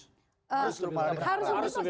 harus lebih bagus